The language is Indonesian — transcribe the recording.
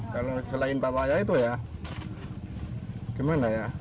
kalau selain bapaknya itu ya gimana ya